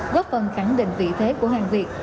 góp phần khẳng định vị thế của hàng việt